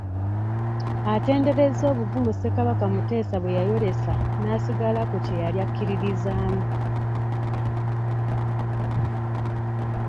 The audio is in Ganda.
Atenderezza obuvumu Ssekabaka Muteesa bwe yayolesa n’asigala ku kye yali akkirizizaamu.